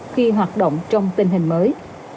khi hoạt động trong tình hình mới